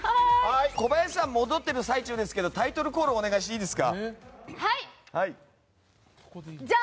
小林さん、戻ってる最中ですけどタイトルコールお願いします。